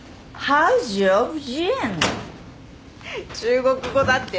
中国語だって。